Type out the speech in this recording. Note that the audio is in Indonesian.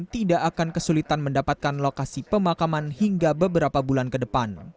tidak akan kesulitan mendapatkan lokasi pemakaman hingga beberapa bulan ke depan